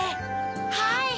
はい！